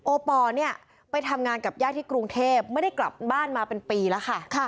ปอลเนี่ยไปทำงานกับญาติที่กรุงเทพไม่ได้กลับบ้านมาเป็นปีแล้วค่ะ